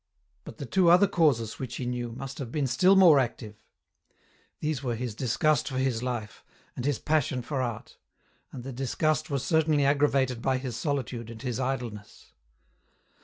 But the two other causes which he knew, must have been still more active. These were his disgust for his life, and his passion for art ; and the disgust was certainly aggravated by his solitude and his idleness.